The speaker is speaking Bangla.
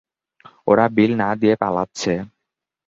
ওরা বিল না দিয়ে পালাচ্ছে!